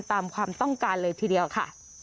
ตามความต้องการเลยทีเดียวค่ะ